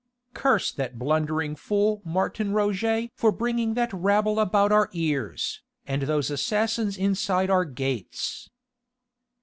"Curse that blundering fool Martin Roget for bringing that rabble about our ears, and those assassins inside our gates."